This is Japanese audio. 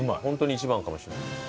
本当に一番かもしれない。